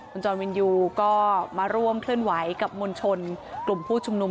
คุณจรวินยูก็มาร่วมเคลื่อนไหวกับมวลชนกลุ่มผู้ชุมนุม